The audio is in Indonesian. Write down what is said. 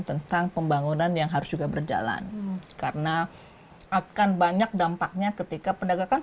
tentang pembangunan yang harus juga berjalan karena akan banyak dampaknya ketika penegakan